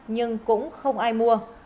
nhưng cũng không ai mua